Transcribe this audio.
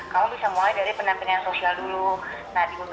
kamu bisa mulai dari pendampingan sosial dulu